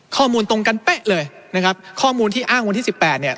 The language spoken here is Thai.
ตรงกันเป๊ะเลยนะครับข้อมูลที่อ้างวันที่สิบแปดเนี่ย